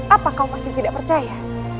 apa kau masih tidak percaya